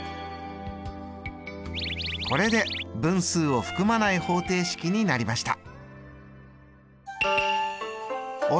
これで分数を含まない方程式になりました。